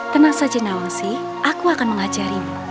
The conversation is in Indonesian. tenang saja nawasi aku akan mengajarimu